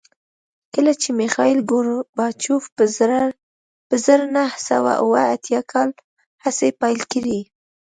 کله چې میخایل ګورباچوف په زر نه سوه اووه اتیا کال هڅې پیل کړې